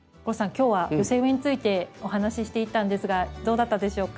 今日は寄せ植えについてお話ししていったんですがどうだったでしょうか？